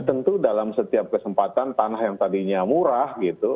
tentu dalam setiap kesempatan tanah yang tadinya murah gitu